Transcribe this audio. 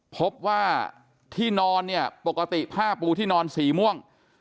พบว่าที่นอนเนี่ยปกติผ้าปูที่นอนสีม่วง